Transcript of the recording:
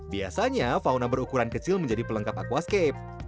biasanya fauna berukuran kecil menjadi pelengkap aquascape